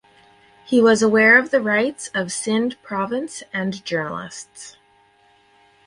He was aware of rights of Sindh province and journalists.